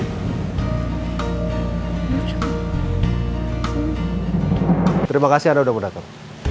terima kasih ada ada kondator